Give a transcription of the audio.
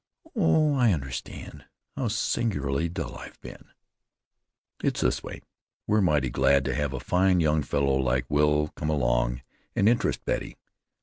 "Oh, I understand. How singularly dull I've been." "It's this way. We're mighty glad to have a fine young fellow like Will come along and interest Betty.